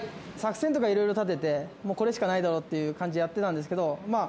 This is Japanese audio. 作戦とかいろいろ立ててもうこれしかないだろうっていう感じでやってたんですけど。